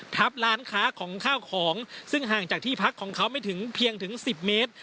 ทับร้านค้าของข้าวของซึ่งห่างจากที่พักของเขาไม่ถึงเพียงถึง๑๐เมตร